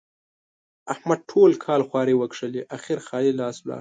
احمد ټول کال خواري وکښلې؛ اخېر خالي لاس ولاړ.